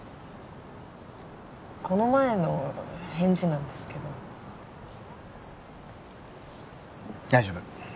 この前の返事なんですけど大丈夫